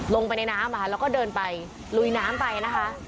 ลงไปในน้ำแล้วก็เดินไปลุยน้ำไปนะคะ